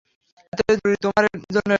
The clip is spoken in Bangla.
এতোই জরুরি তোমার জন্য এটা?